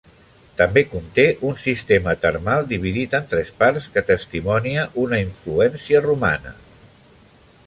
També conté un sistema termal dividit en tres parts, que testimonia una influència romana.